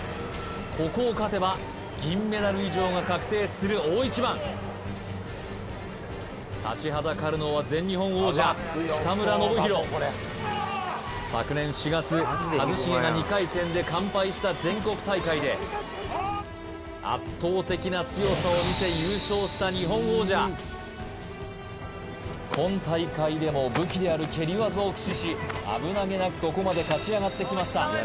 ここを勝てば銀メダル以上が確定する大一番立ちはだかるのは全日本王者北村伸宏昨年４月一茂が２回戦で完敗した全国大会で圧倒的な強さを見せ優勝した日本王者今大会でも武器である蹴り技を駆使し危なげなくここまで勝ち上がってきました